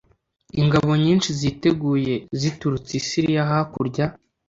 ingabo nyinshi ziguteye ziturutse i siriya hakurya